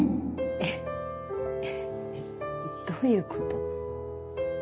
えっ？どういうこと？